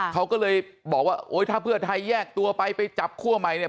เขาก็เลยบอกว่าโอ๊ยถ้าเพื่อไทยแยกตัวไปไปจับคั่วใหม่เนี่ย